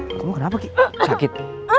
kamu kenapa kik sakit